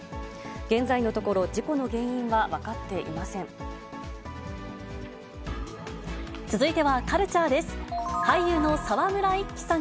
現在のところ、事故の原因は分かっていません。